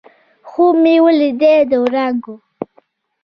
خوب مې ولیدی د وړانګو